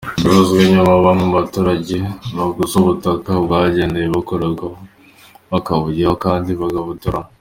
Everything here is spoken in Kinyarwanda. Bivuzwe nyuma y’aho bamwe mu baturage baguze ubutaka bwagenewe kororerwaho bakabuhingaho abandi bagaturamo.